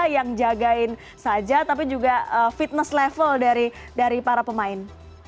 yang jagain saja tapi juga fitness level dari para pemain